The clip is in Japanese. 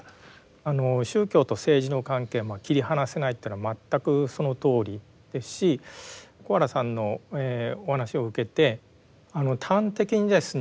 あの宗教と政治の関係まあ切り離せないっていうのは全くそのとおりですし小原さんのお話を受けて端的にですね